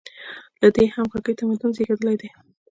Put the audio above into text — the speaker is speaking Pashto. له دې همغږۍ تمدن زېږېدلی دی.